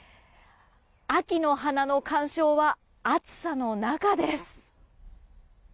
秋の花の観賞は、暑さの中です。